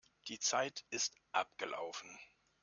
Die Zeit ist abgelaufen.